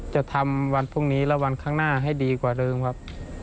จะทำวันพรุ่งนี้และวันข้างหน้าให้ดีกว่าเดิมครับ